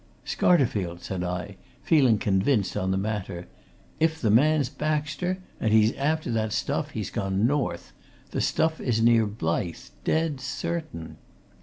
"Scarterfield," said I, feeling convinced on the matter. "If the man's Baxter, and he's after that stuff, he's gone north. The stuff is near Blyth! Dead certain!"